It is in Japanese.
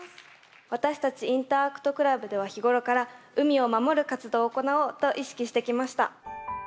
私たちインターアクトクラブでは日頃から海を守る活動を行おうと意識してきました。